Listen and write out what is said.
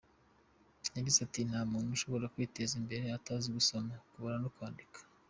Yagize ati “nta muntu ushobora kwiteza imbere atazi gusoma, kubara no kwandika.